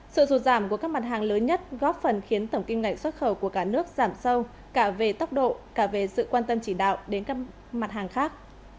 sự rụt giảm của các mặt hàng lớn nhất góp phần khiến tổng kim ngạch xuất khẩu của cả nước giảm sâu cả về tốc độ cả về sự quan tâm chỉ đạo đến các mặt hàng khác